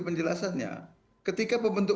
penjelasannya ketika pembentuk